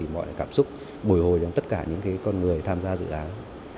mọi cảm xúc bồi hồi trong tất cả những con người tham gia dự án